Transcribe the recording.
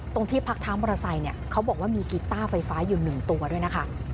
ที่พักเท้ามอเตอร์ไซค์เนี่ยเขาบอกว่ามีกีต้าไฟฟ้าอยู่๑ตัวด้วยนะคะ